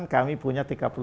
dua ribu sembilan kami punya